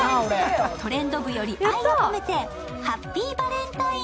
「トレンド部」より愛を込めてハッピーバレンタイン！